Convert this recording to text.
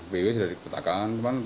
bw sudah diketahkan teman teman